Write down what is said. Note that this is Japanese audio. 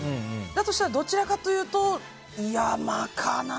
だとしたらどちらかというと山かな？